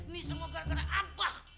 nih semua gara gara abah